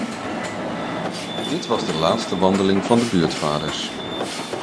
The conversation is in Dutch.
Dit was de laatste wandeling van de buurtvaders.